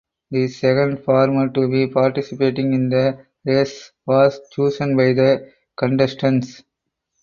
The second farmer to be participating in the race was chosen by the contestants.